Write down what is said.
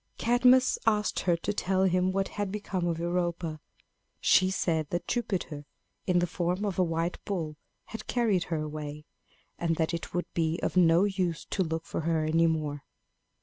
Cadmus asked her to tell him what had become of Europa. She said that Jupiter, in the form of a white bull, had carried her away, and that it would be of no use to look for her any more.